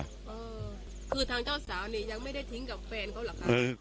เออคือทางเจ้าสาวเนี่ยยังไม่ได้ทิ้งกับแฟนเขาหรอกค่ะ